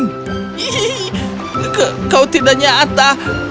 hihihi kau tidak nyata